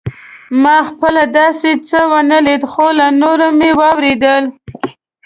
ما خپله داسې څه ونه لیدل خو له نورو مې واورېدل.